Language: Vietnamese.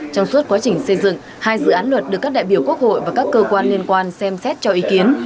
trong suốt quá trình xây dựng hai dự án luật được các đại biểu quốc hội và các cơ quan liên quan xem xét cho ý kiến